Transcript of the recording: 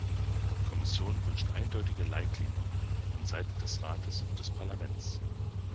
Die Kommission wünscht eindeutige Leitlinien von Seiten des Rates und des Parlaments.